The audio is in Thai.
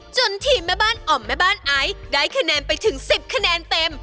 จนทีมแม่บ้านอ่อมแม่บ้านไอซ์ได้คะแนนไปถึง๑๐คะแนนเต็ม